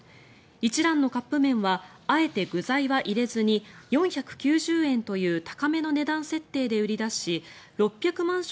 一蘭のカップ麺はあえて具材は入れずに４９０円という高めの値段設定で売り出し６００万